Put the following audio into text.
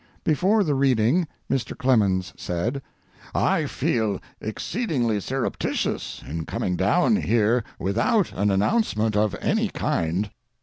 Before the reading Mr. Clemens said: I feel exceedingly surreptitious in coming down here without an announcement of any kind.